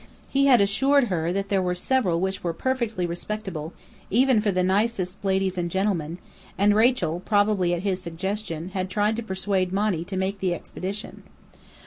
He had assured her that there were several which were "perfectly respectable," even for the "nicest ladies and gentlemen;" and Rachel, probably at his suggestion, had tried to persuade Monny to make the expedition.